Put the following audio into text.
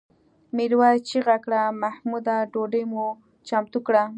میرويس چیغه کړه محموده ډوډۍ مو چمتو کړه؟